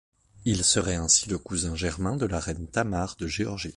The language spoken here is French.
Il serait ainsi le cousin germain de la reine Tamar de Géorgie.